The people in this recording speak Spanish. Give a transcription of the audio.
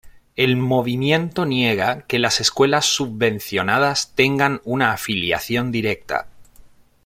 El movimiento niega que las escuelas subvencionadas tengan una afiliación directa.